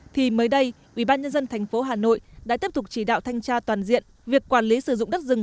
thì mới đây ubnd tp hà nội đã tiếp tục chỉ đạo thanh tra toàn diện việc quản lý sử dụng đất rừng